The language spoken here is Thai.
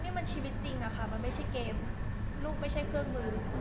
นี่มันชีวิตจริงอะค่ะมันไม่ใช่เกมลูกไม่ใช่เครื่องมือ